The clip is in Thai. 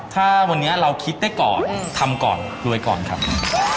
ถ้าวันนี้เราคิดได้ก่อนทำก่อนรวยก่อนครับ